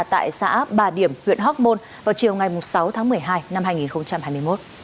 tại xã bà điểm huyện hóc môn vào chiều ngày sáu tháng một mươi hai năm hai nghìn hai mươi một